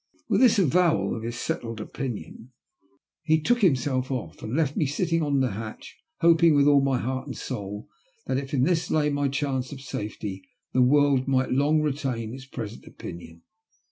With this avowal of his settled opinion he took him self off, and left me sitting on the hatch, hoping with all my heart and soul that, if in this lay my chance of safety, the world might long retain its present opinion.